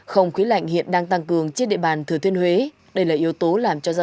không khí lạnh hiện đang tăng cường trên địa bàn thừa thiên huế đây là yếu tố làm cho giao